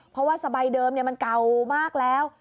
เพราะว่าสบายเดิมมันเก่ามากแล้ว